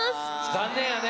残念やね。